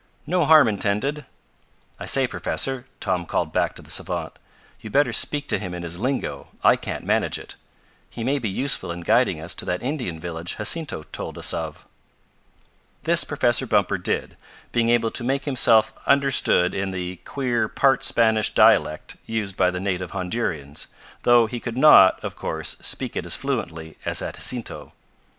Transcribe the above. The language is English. No harm intended. I say, Professor," Tom called back to the savant, "you'd better speak to him in his lingo, I can't manage it. He may be useful in guiding us to that Indian village Jacinto told us of." This Professor Bumper did, being able to make himself understood in the queer part Spanish dialect used by the native Hondurians, though he could not, of course, speak it as fluently as had Jacinto.